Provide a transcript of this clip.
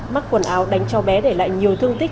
mắc quần áo đánh cho bé để lại nhiều thương tích